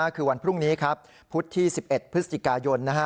คือวันพรุ่งนี้ครับพุธที่๑๑พฤศจิกายน